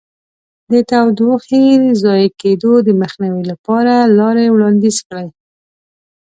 د تودوخې ضایع کېدو د مخنیوي لپاره لارې وړاندیز کړئ.